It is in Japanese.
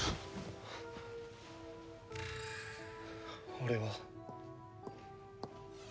俺は。